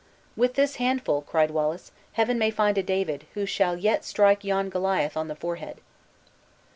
"With this handful," cried Wallace, "Heaven may find a David, who shall yet strike yon Goliath on the forehead!"